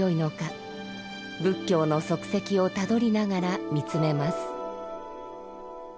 仏教の足跡をたどりながら見つめます。